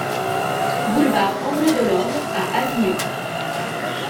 Boulevard André Delorme à Avignon